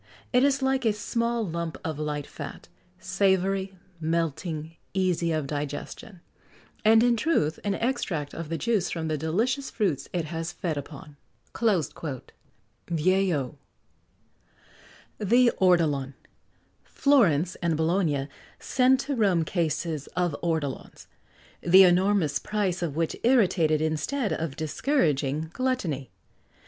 It is like a small lump of light fat savoury, melting, easy of digestion; and, in truth, an extract of the juice from the delicious fruits it has fed upon." Vieillot. THE ORTOLAN. Florence and Bologna sent to Rome cases of ortolans, the enormous price of which irritated instead of discouraging gluttony.